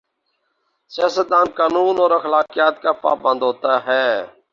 سیاست دان قانون اور اخلاقیات کا پابند ہو تا ہے۔